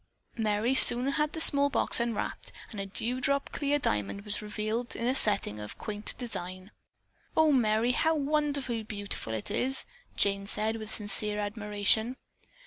Merry soon had the small box unwrapped and a dew drop clear diamond was revealed in a setting of quaint design. "Oh, Merry, how wonderfully beautiful it is!" Jane said with sincere admiration.